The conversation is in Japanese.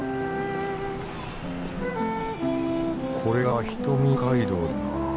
これが人見街道だよな。